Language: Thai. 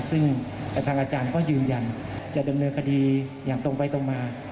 ซึ่งทางอาจารย์ก็ยืนยันจะดำเนินคดีอย่างตรงไปตรงมา